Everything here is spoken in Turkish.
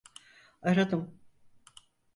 Aradım.